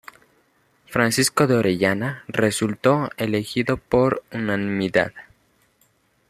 Francisco de Orellana resultó elegido por unanimidad.